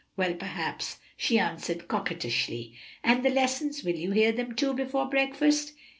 "Well, perhaps," she answered coquettishly. "And the lessons? will you hear them, too, before breakfast?"